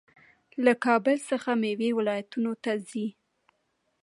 له کابل څخه میوې ولایتونو ته ځي.